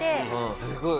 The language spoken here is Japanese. すごい。